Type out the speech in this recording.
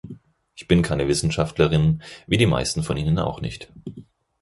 Ich bin keine Wissenschaftlerin, wie die meisten von Ihnen auch nicht.